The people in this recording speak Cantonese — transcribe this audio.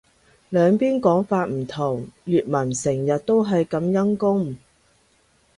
兩邊講法唔同。粵文成日都係咁陰功